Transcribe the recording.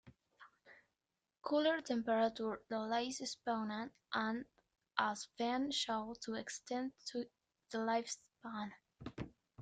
Cooler temperature delays spawning and has been shown to extend the lifespan.